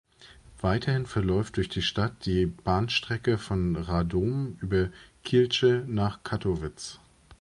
Weiterhin verläuft durch die Stadt die Bahnstrecke von Radom über Kielce nach Kattowitz.